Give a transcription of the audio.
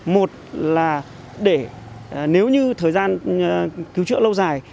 một là để nếu như thời gian cứu chữa lâu dài